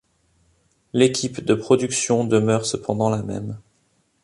L'équipe de production demeure cependant la même.